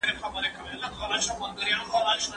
دا معلومول، چي هغه با سليقه او بادرکه دی که يه؟.